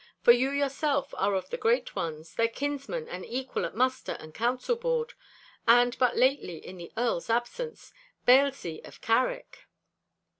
For you yourself are of the great ones, their kinsman and equal at muster and council board, and but lately, in the Earl's absence, Bailzie of Carrick!